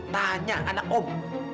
tanya anak om